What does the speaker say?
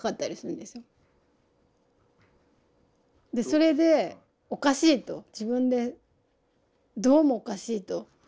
それでおかしいと自分でどうもおかしいと。